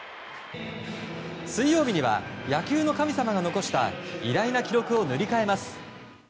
水曜日には、野球の神様が残した偉大な記録を塗り替えます。